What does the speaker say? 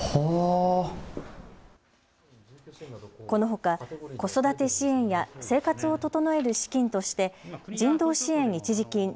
このほか子育て支援や生活を整える資金として人道支援一時金